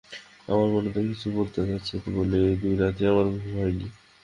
আমার মন তাকে কিছু বলতে চাচ্ছে বলেই, এই দু রাত্রি আমার ঘুম হয় নি।